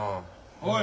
おい！